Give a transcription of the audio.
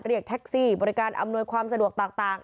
เรียกแท็กซี่บริการอำนวยความสะดวกต่าง